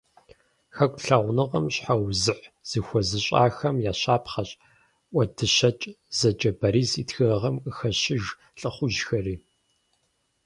Хэку лъагъуныгъэм щхьэузыхь зыхуэзыщӀахэм я щапхъэщ « ӀуэдыщэкӀэ» зэджэ Борис и тхыгъэхэм къыхэщыж лӀыхъужьхэри.